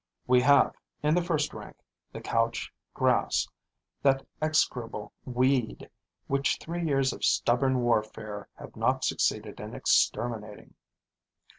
We have, in the first rank, the couch grass, that execrable weed which three years of stubborn warfare have not succeeded in exterminating.